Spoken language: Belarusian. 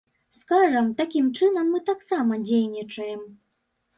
Скажам, такім чынам мы таксама дзейнічаем.